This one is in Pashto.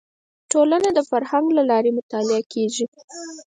ټولنه د فرهنګ له لارې مطالعه کیږي